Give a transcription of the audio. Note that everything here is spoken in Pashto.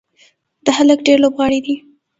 دا هلک ډېر لوبغاړی دی.